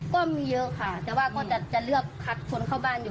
ก็มีเยอะค่ะแต่ว่าก็จะเลือกคัดคนเข้าบ้านอยู่